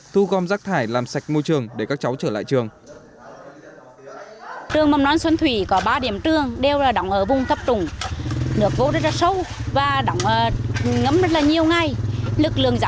thu gom rác thải làm sạch môi trường để các cháu trở lại trường